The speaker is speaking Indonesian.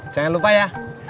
jangan lupa ya